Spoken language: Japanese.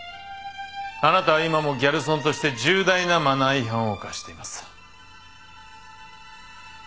あなたは今もギャルソンとして重大なマナー違反を犯しています。